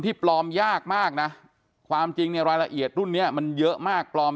ปลอมยากมากนะความจริงเนี่ยรายละเอียดรุ่นนี้มันเยอะมากปลอม